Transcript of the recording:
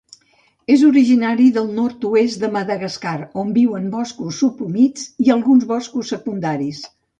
És originari del nord-oest de Madagascar, on viu en boscos subhumits i alguns boscos secundaris.